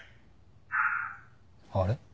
あれ？